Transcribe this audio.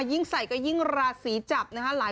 ยิ่งใส่ก็ยิ่งราศีจับนะฮะ